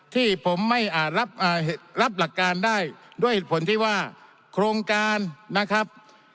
ที่ผมไม่อาจรับหลักการได้ด้วยเหตุผลที่ว่าโครงการนะครับ